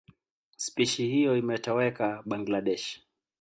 Spishi hiyo imetoweka Bangladesh.